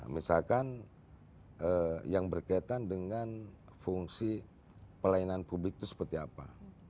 misalkan yang berkaitan dengan fungsi pelayanan publik itu seperti apa